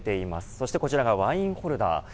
そしてこちらがワインホルダー。